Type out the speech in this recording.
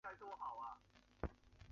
一般作为药用。